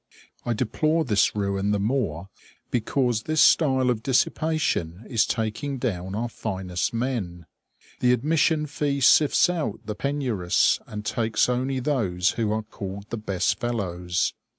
I deplore this ruin the more because this style of dissipation is taking down our finest men. The admission fee sifts out the penurious and takes only those who are called the best fellows.